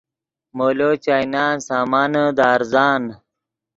مولو چائینان سامانے دے ارزان